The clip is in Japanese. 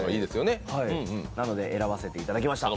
なので選ばせていただきました。